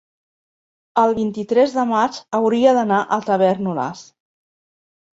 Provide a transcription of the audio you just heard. el vint-i-tres de maig hauria d'anar a Tavèrnoles.